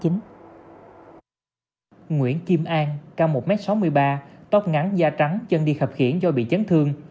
nguyễn kim an cao một m sáu mươi ba tóc ngắn da trắng chân đi khập khiến do bị chấn thương